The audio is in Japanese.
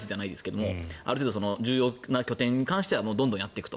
ある程度重要な拠点に関してはどんどんやっていくと。